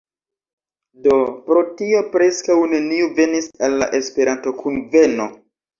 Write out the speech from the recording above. Do, pro tio preskaŭ neniu venis al la Esperanto-kunveno